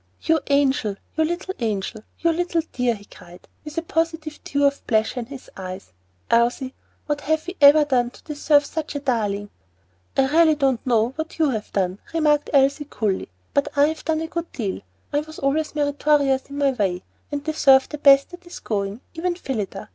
"You angel! you little angel! you little dear!" he cried, with a positive dew of pleasure in his eyes. "Elsie, what have we ever done to deserve such a darling?" "I really don't know what you have done," remarked Elsie, coolly; "but I have done a good deal. I always was meritorious in my way, and deserve the best that is going, even Phillida.